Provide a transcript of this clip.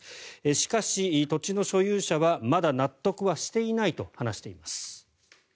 しかし、土地の所有者はまだ納得はしていないと話しています。